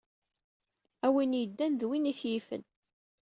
A win yeddan d win i t-yifen.